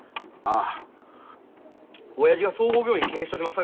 あ親父が総合病院経営しとります